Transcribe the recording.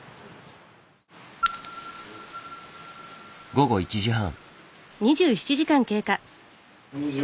午後１時半。